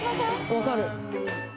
分かる。